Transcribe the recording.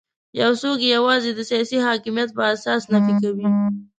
یو څوک یې یوازې د سیاسي حاکمیت په اساس نفي کوي.